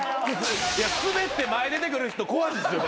スベって前出てくる人怖いっすよ。